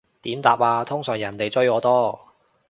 點答啊，通常人哋追我多